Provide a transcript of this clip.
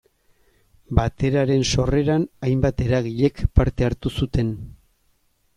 Bateraren sorreran hainbat eragilek parte hartu zuten.